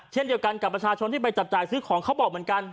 เช่นเดียวกันกับประชาชนที่ไปจับจ่ายซื้อของเขาบอกเหมือนกัน